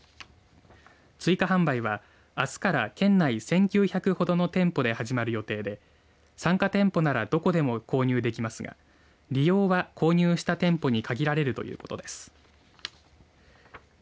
追加販売はあすから県内１９００ほどの店舗で始まる予定で参加店舗ならどこでも購入できますが利用は購入した店舗に限られるということです。